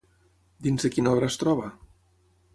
Dins de quina obra es troba?